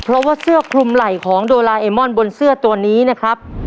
เพราะว่าเสื้อคลุมไหล่ของโดราเอมอนบนเสื้อตัวนี้นะครับ